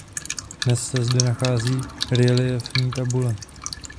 Dnes se zde nachází reliéfní tabule.